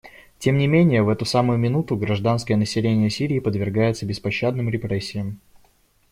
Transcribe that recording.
Тем не менее в эту самую минуту гражданское население Сирии подвергается беспощадным репрессиям.